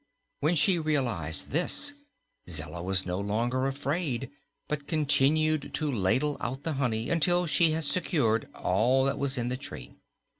When she realized this, Zella was no longer afraid but continued to ladle out the honey until she had secured all that was in the tree.